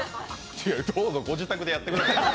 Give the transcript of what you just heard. いや、どうぞご自宅でやってくださいよ。